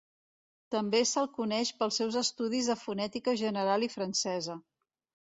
També se'l coneix pels seus estudis de fonètica general i francesa.